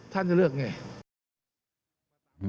ท่านจะเลือกอย่างไร